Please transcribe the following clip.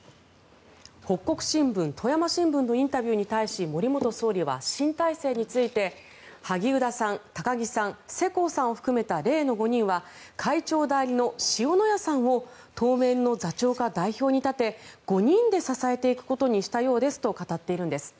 北國新聞、富山新聞のインタビューに対し森元総理は新体制について萩生田さん、高木さん世耕さんを含めた例の５人は会長代理の塩谷さんを当面の座長か代表に立て５人で支えていくことにしたようですと語っているんです。